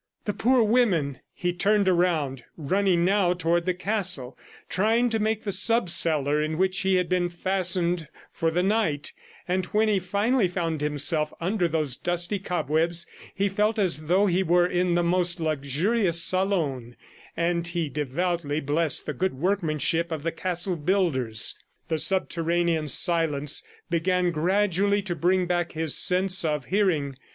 The poor women! ... He turned around, running now toward the castle, trying to make the sub cellar in which he had been fastened for the night; and when he finally found himself under those dusty cobwebs, he felt as though he were in the most luxurious salon, and he devoutly blessed the good workmanship of the castle builders. The subterranean silence began gradually to bring back his sense of hearing.